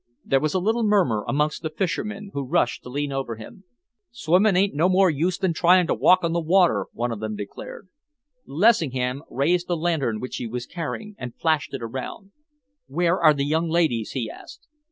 There was a little murmur amongst the fisherman, who rushed to lean over him. "Swimming ain't no more use than trying to walk on the water," one of them declared. Lessingham raised the lantern which he was carrying, and flashed it around. "Where are the young ladies?" he asked.